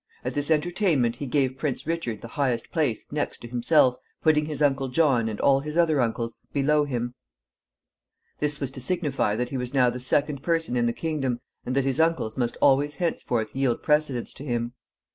At this entertainment he gave Prince Richard the highest place, next to himself, putting his uncle John, and all his other uncles, below him. This was to signify that he was now the second person in the kingdom, and that his uncles must always henceforth yield precedence to him.